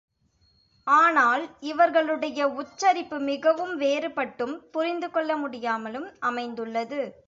ஆனால் இவர்களுடைய உச்சரிப்பு மிகவும் வேறுபட்டும், புரிந்துகொள்ள முடியாமலும் அமைந்துள்ளது.